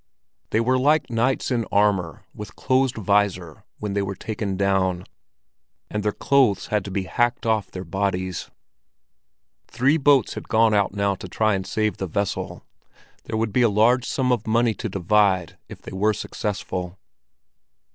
They were like knights in armor with closed visor when they were taken down, and their clothes had to be hacked off their bodies. Three boats had gone out now to try and save the vessel; there would be a large sum of money to divide if they were successful.